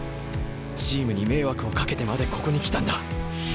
チームに迷惑をかけてまでここに来たんだ。